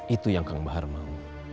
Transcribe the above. itu yang kang bahar mau